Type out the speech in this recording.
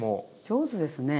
上手ですね。